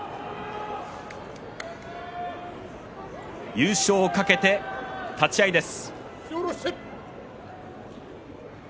優勝懸けて、立ち合いです。